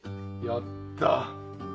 やった！